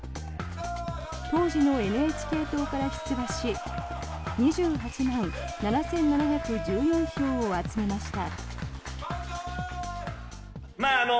当時のＮＨＫ党から出馬し２８万７７１４票を集めました。